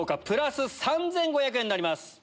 プラス３５００円になります。